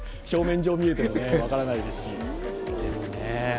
表面上見ると分からないですし。